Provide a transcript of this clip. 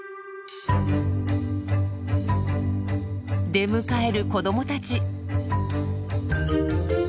出迎える子どもたち。